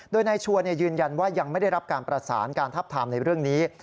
โดยนายชัวร์ยืนยันว่ายังไม่ได้รับการประสานการทับทามในเรื่องนี้